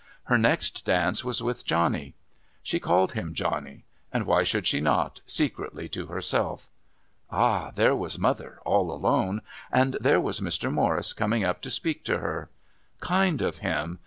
Her next dance was with Johnny. She called him Johnny. And why should she not, secretly to herself? Ah, there was mother, all alone. And there was Mr. Morris coming up to speak to her. Kind of him.